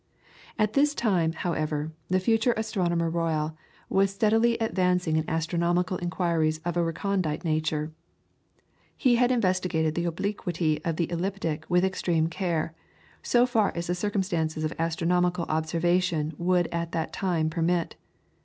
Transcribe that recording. All this time, however, the future Astronomer Royal was steadily advancing in astronomical inquiries of a recondite nature. He had investigated the obliquity of the ecliptic with extreme care, so far as the circumstances of astronomical observation would at that time permit.